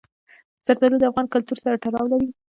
زردالو د افغان کلتور سره تړاو لري.